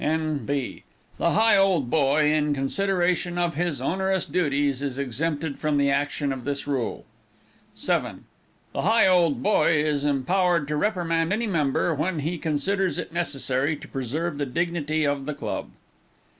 N.B. The Higholdboy, in consideration of his onerous duties, is exempted from the action of this rule. 7. The Higholdboy is empowered to reprimand any member, when he considers it necessary to preserve the dignity of the club.